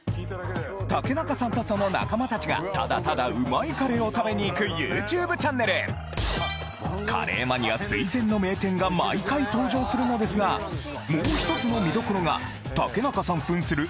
竹中さんとその仲間たちがただただうまいカレーを食べに行くＹｏｕＴｕｂｅチャンネルカレーマニア垂涎の名店が毎回登場するのですがもうひとつの見どころが竹中さん扮する